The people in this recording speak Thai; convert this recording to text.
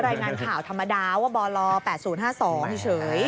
รายงานข่าวธรรมดาว่าบล๘๐๕๒เฉย